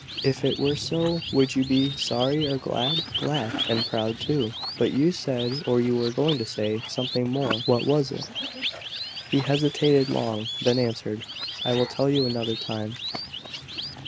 "If it were so, would you be sorry or glad?" "Glad, and proud too. But you said, or you were going to say, something more. What was it?" He hesitated long, then answered: "I will tell you another time."